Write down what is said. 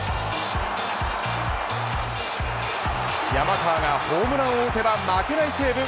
山川がホームランを打てば負けない西武。